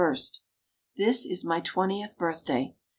This is my twentieth birthday.